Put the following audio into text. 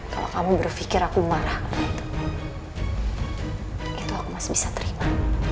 kalau kamu berpikir aku marah itu aku masih bisa terima